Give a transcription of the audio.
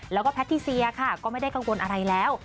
แล้วก็แพทิเซียค่ะก็ไม่ได้กังวลอะไรแล้ว